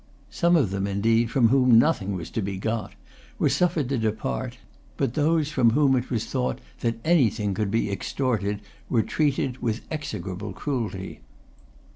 Some of them, indeed, from whom nothing was to be got, were suffered to depart; but those from whom it was thought that anything could be extorted were treated with execrable cruelty.